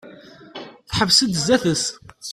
Teḥbes-d sdat-is.